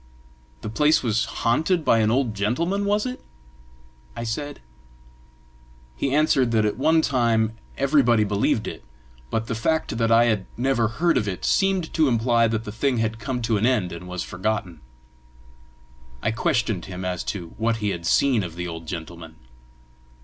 "The place was haunted by an old gentleman, was it?" I said. He answered that at one time everybody believed it, but the fact that I had never heard of it seemed to imply that the thing had come to an end and was forgotten. I questioned him as to what he had seen of the old gentleman.